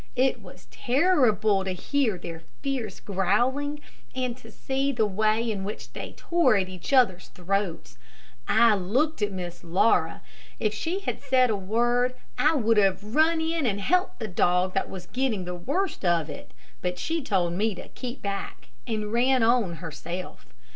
It was terrible to hear their fierce growling, and to see the way in which they tore at each other's throats. I looked at Miss Laura. If she had said a word, I would have run in and helped the dog that was getting the worst of it. But she told me to keep back, and ran on herself.